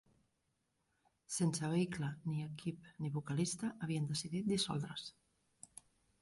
Sense vehicle ni equip ni vocalista havien decidit dissoldre's.